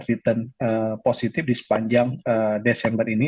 return positif di sepanjang desember ini